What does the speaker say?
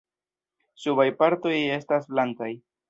Subaj partoj estas blankaj.